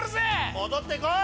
戻って来い！